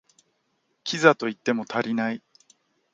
キザと言っても足りない